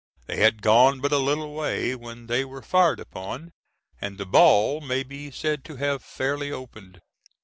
They had gone but a little way when they were fired upon, and the ball may be said to have fairly opened.